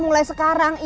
ini sih ya